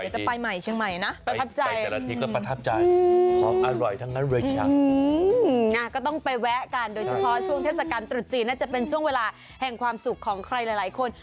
จีนน่าจะเป็นช่วงเวลาแห่งความสุขของใครหลายคน